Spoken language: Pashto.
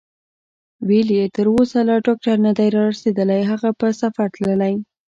ویل یې: تر اوسه لا ډاکټر نه دی رارسېدلی، هغه په سفر تللی.